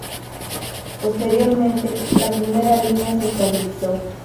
Posteriormente, la primera línea se estabilizó.